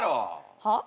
はっ？